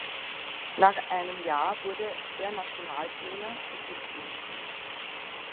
Nach einem Jahr wurde er Nationaltrainer Ägyptens.